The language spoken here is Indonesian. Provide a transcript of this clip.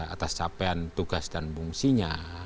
atas capaian tugas dan fungsinya